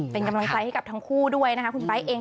เป็นกำลังใจให้กับทั้งคู่ด้วยนะคะคุณไบท์เอง